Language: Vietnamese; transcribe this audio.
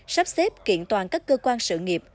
sắp xếp kiện toàn các cơ quan sự nghiệp